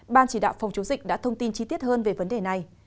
ban chỉ đạo phòng chống dịch đã thông tin chi tiết hơn về vấn đề này